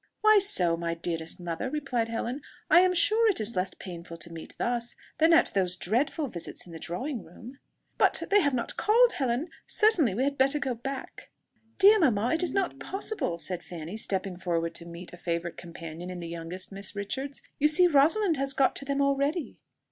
"Why so, my dearest mother?" replied Helen, "I am sure it is less painful to meet thus, than at those dreadful visits in the drawing room." "But they have not called, Helen ... certainly, we had better go back." "Dear mamma, it is not possible," said Fanny, stepping forward to meet a favourite companion in the youngest Miss Richards: "you see Rosalind has got to them already."